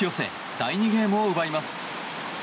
第２ゲームを奪います。